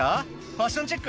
ファッションチェック？」